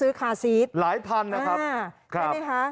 หลายพันนะครับ